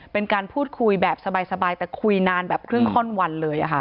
เป็นการพูดคุยแบบสบายแต่คุยนานแบบครึ่งข้อนวันเลย